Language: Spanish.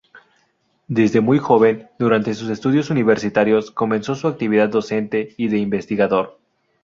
Desde muy joven, durante sus estudios universitarios, comenzó su actividad docente y de investigador.